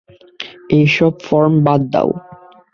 এই সব ফর্ম বাদ।